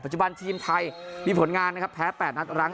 จุบันทีมไทยมีผลงานนะครับแพ้๘นัดรั้ง